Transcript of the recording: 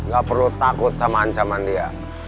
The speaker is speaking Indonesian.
gak perlu takut sama ancaman dia